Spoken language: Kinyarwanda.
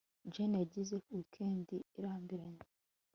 jane yagize weekend irambiranye